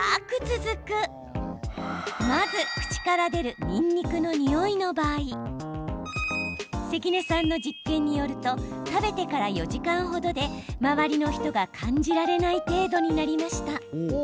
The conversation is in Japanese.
まず、口から出るニンニクのにおいの場合関根さんの実験によると食べてから４時間程で周りの人が感じられない程度になりました。